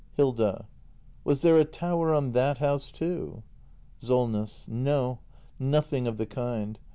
Hilda. Was there a tower on that house, too ? Solness. No, nothing of the kind.